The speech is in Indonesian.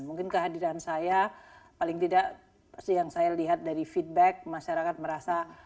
mungkin kehadiran saya paling tidak yang saya lihat dari feedback masyarakat merasa